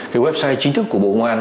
cái website chính thức của bộ công an